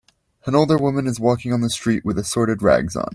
An older woman is walking on the street with assorted rags on.